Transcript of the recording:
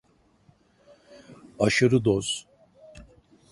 Aşırı doz.